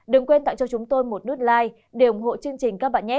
đừng quên tặng cho chúng tôi một nút like để ủng hộ chương trình các bạn nhé